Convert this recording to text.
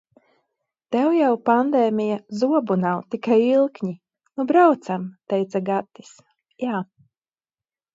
Tev jau, pandēmija, zobu nav, tikai ilkņi. "Nu braucam!" teica Gatis. Jā.